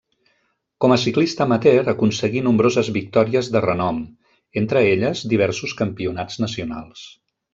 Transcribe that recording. Com a ciclista amateur aconseguí nombroses victòries de renom, entre elles diversos campionats nacionals.